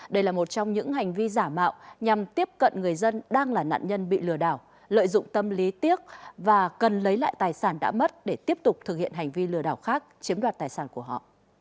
đây là một trong những hành vi giả mạo nhằm tiếp cận người dân đang là nạn nhân bị lừa đảo lợi dụng tâm lý tiếc và cần lấy lại tài sản đã mất để tiếp tục thực hiện hành vi lừa đảo khác chiếm đoạt tài sản của họ